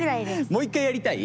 もう１回やりたい⁉